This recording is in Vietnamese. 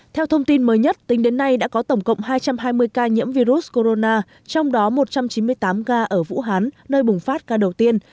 theo thông tin mới nhất tính đến nay đã có tổng cộng hai trăm hai mươi ca nhiễm virus corona trong đó một trăm chín mươi tám ca ở vũ hán nơi bùng phát ca đầu tiên